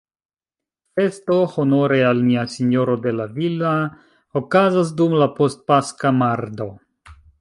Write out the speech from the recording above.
Festo honore al Nia Sinjorino de La Villa okazas dum la post-paska mardo.